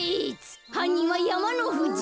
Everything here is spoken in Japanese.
はんにんはやまのふじ。